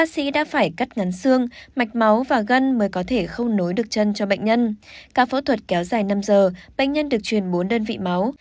sau phẫu thuật kéo dài năm giờ bệnh nhân được truyền bốn đơn vị máu